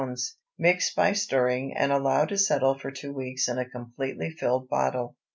Mix by stirring, and allow to settle for two weeks in a completely filled bottle.